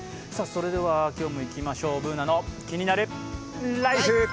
今日もいきましょう「ＢｏｏｎａのキニナルＬＩＦＥ」。